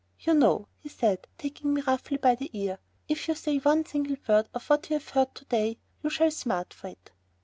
"You know," he said, taking me roughly by the ear, "if you say one single word of what you have heard to day, you shall smart for it.